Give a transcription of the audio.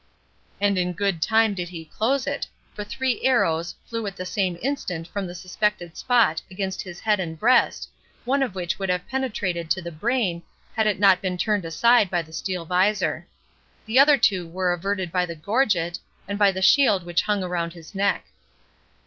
And in good time did he close it, for three arrows, flew at the same instant from the suspected spot against his head and breast, one of which would have penetrated to the brain, had it not been turned aside by the steel visor. The other two were averted by the gorget, and by the shield which hung around his neck.